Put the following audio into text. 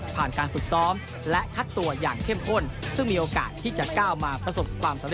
ผ่านการฝึกซ้อมและคัดตัวอย่างเข้มข้น